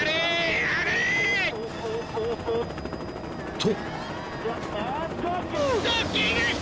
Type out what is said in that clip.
［と］